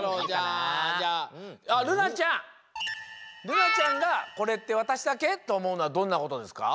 るなちゃんが「これってわたしだけ？」とおもうのはどんなことですか？